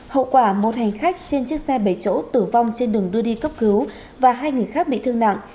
hậu quả một hành khách trên chiếc xe bảy chỗ tử vong trên đường đưa đi cấp cứu và hai người khác bị thương nặng